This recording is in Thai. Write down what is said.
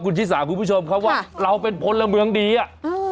คุณชิสาคุณผู้ชมครับว่าเราเป็นพลเมืองดีอ่ะเออ